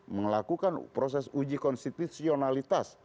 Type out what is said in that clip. mengelakukan proses uji konstitusionalitas